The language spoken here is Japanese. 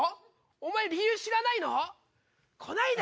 お前、理由知らないの？